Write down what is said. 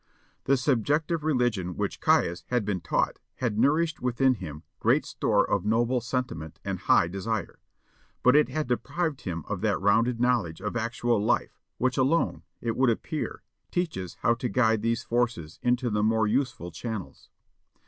The subjective religion which Caius had been taught had nourished within him great store of noble sentiment and high desire, but it had deprived him of that rounded knowledge of actual life which alone, it would appear, teaches how to guide these forces into the more useful channels.